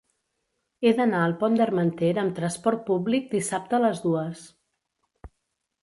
He d'anar al Pont d'Armentera amb trasport públic dissabte a les dues.